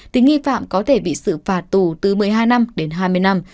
thì nghi phạm có thể bị sự phạt tù từ một mươi hai năm đến hai mươi năm